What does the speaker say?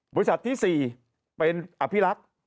บริษัทที่๔เป็นอภิรักษ์